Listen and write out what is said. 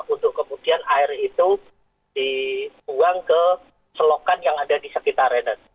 untuk kemudian air itu dibuang ke selokan yang ada di sekitar renat